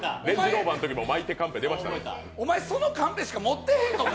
お前、そのカンペしか持ってへんのか？